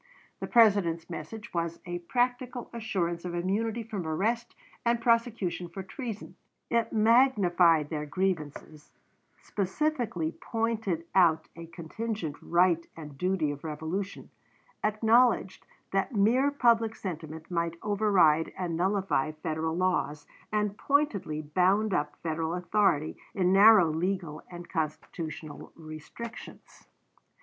The President's message was a practical assurance of immunity from arrest and prosecution for treason. It magnified their grievances, specifically pointed out a contingent right and duty of revolution, acknowledged that mere public sentiment might override and nullify Federal laws, and pointedly bound up Federal authority in narrow legal and Constitutional restrictions.